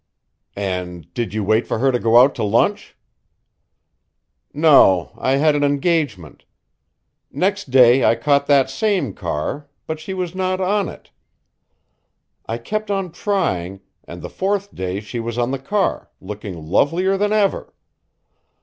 "And did you wait for her to go out to lunch?" "No, I had an engagement. Next day I caught that same car, but she was not on it. I kept on trying and the fourth day she was on the car, looking lovelier than ever.